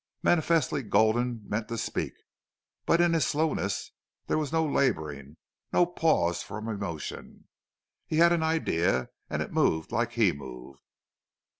Manifestly Gulden meant to speak, but in his slowness there was no laboring, no pause from emotion. He had an idea and it moved like he moved.